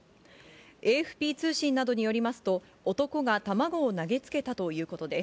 ＡＦＰ通信などによりますと、男が卵を投げつけたということです。